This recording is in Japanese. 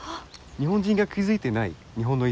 日本人が気付いてない日本のいいところ。